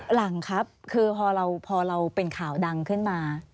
หลังครับคือพอเราเป็นข่าวดังขึ้นมา